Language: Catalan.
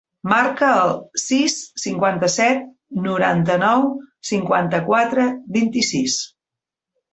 Marca el sis, cinquanta-set, noranta-nou, cinquanta-quatre, vint-i-sis.